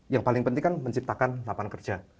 yang paling penting kan menciptakan lapangan kerja